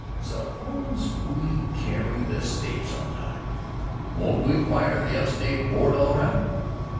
suppose we carry the State sometime, won't we fire the upstate Board all right?